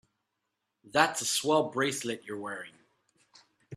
That's a swell bracelet you're wearing.